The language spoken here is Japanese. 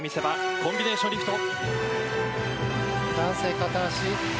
コンビネーションリフト。